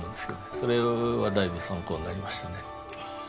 それはだいぶ参考になりましたね。